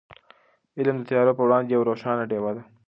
علم د تیارو په وړاندې یوه روښانه ډېوه ده.